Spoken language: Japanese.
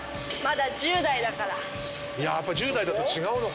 やっぱ１０代だと違うのかな？